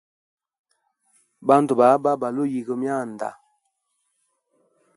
Bandu baba, baluhuyiga mwanda.